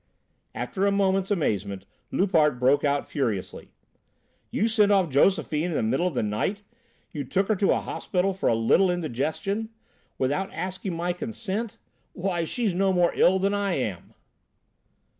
After a moment's amazement, Loupart broke out furiously: "You sent off Josephine in the middle of the night! You took her to a hospital for a little indigestion! Without asking my consent! Why she's no more ill than I am!"